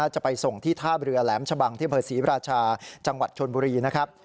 จะไปส่งที่ท่าเรือแหลมชะบังที่อำเภอศรีราชาจังหวัดชนบุรีนะครับ